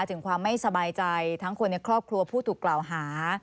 ถึงความไม่สบายใจทั้งคนในครอบครัวผู้ถูกกล่าวหา